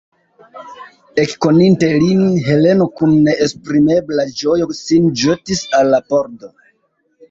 Ekkoninte lin, Heleno kun neesprimebla ĝojo sin ĵetis al la pordo.